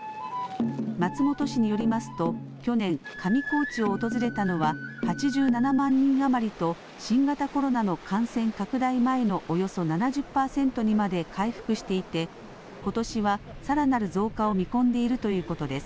松本市によりますと、去年、上高地を訪れたのは８７万人余りと、新型コロナの感染拡大前のおよそ７０％にまで回復していて、ことしはさらなる増加を見込んでいるということです。